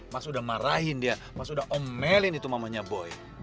mas udah marahin dia masa udah omelin itu mamanya boy